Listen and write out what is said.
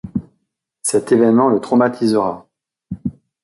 Cet événement le traumatisera.